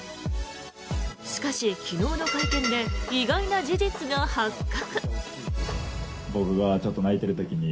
しかし、昨日の会見で意外な事実が発覚。